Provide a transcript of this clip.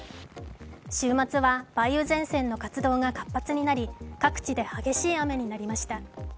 週末は梅雨前線の活動が活発になり各地で激しい雨になりました。